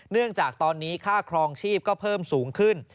เนื่องจากตอนนี้ค่าครองชีพก็เพิ่มสูงขึ้น